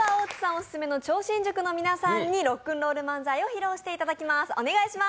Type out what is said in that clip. オススメの超新塾の皆さんにロックンロール漫才を披露していただきます。